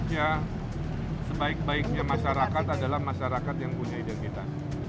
ya sebaik baiknya masyarakat adalah masyarakat yang punya identitas